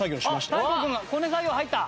あっ大光君がこね作業入った。